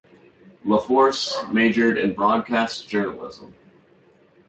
LaForce majored in broadcast journalism.